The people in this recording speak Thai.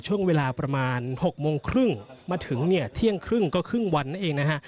ช่วงเวลาประมาณ๖โมงครึ่งมาถึงเนี่ยเที่ยงครึ่งก็ครึ่งวันนั่นเองนะฮะ